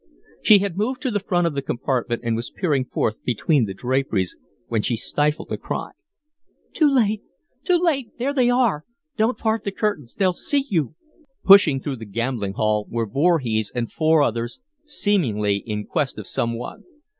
She had moved to the front of the compartment and was peering forth between the draperies when she stifled a cry. "Too late! Too late! There they are. Don't part the curtains. They'll see you." Pushing through the gambling hall were Voorhees and four others, seemingly in quest of some one.